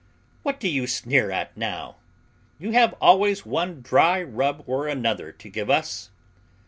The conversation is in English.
"What do you sneer at now? You have always one dry rub or another to give us."